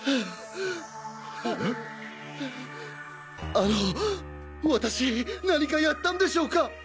あの私何かやったんでしょうか！？